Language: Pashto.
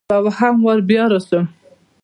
زه دوهم واري بیا راسم؟